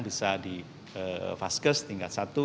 bisa di vaskes tingkat satu